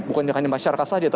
bukannya hanya masyarakat saja